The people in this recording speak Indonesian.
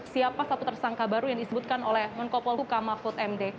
siapa satu tersangka baru yang disebutkan oleh menko polhuka mahfud md